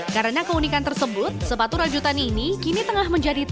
karena keunikan tersebut sepatu rajutan ini kini tengah menjelaskan